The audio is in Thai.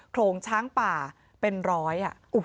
โขลงช้างป่าเป็นร้อย